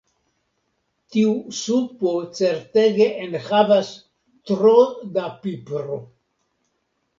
Tiu supo certege enhavas tro da pipro.